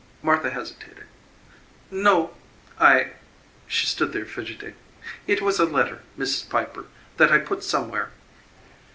Martha hesitated. "No; I " She stood there fidgeting. "It was a letter, Mrs. Piper, that I put somewhere.